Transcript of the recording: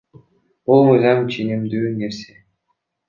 Бул мыйзам ченемдүү нерсе.